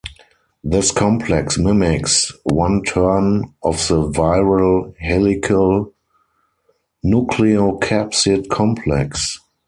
This complex mimics one turn of the viral helical nucleocapsid complex.